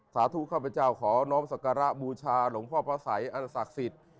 สาธุข้าพเจ้าขอน้องสการะบูชาหลวงพ่อพระสัยอันศักดิ์สิทธิ์